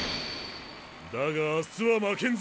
だが明日は負けんぞ！